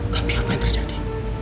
tapi apa yang terjadi